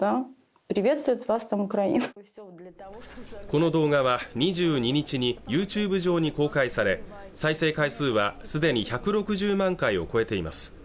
この動画は２２日にユーチューブ上に公開され再生回数はすでに１６０万回を超えています